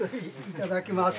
いただきます。